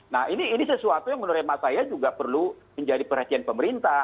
nah ini sesuatu yang menurut saya juga perlu menjadi perhatian pemerintah